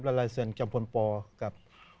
และลายเซ็นต์จำพลปอกับ